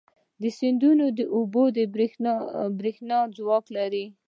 د سیندونو اوبه مو د برېښنا ځواک لري.